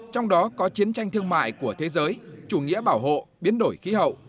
trong đó có chiến tranh thương mại của thế giới chủ nghĩa bảo hộ biến đổi khí hậu